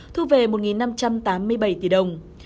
thu về một năm trăm tám mươi bảy tỷ đồng